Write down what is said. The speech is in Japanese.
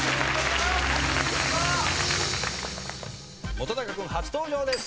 本君初登場です！